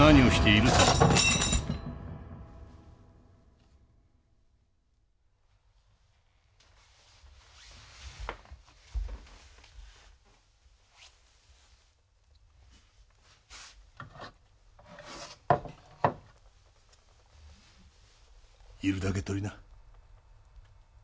要るだけとりな。